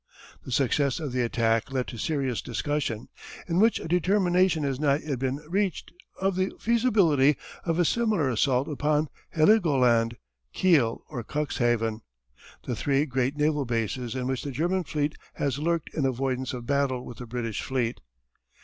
The success of the attack led to serious discussion, in which a determination has not yet been reached, of the feasibility of a similar assault upon Heligoland, Kiel, or Cuxhaven, the three great naval bases in which the German fleet has lurked in avoidance of battle with the British fleet.